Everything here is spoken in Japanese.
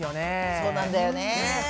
そうなんだよね。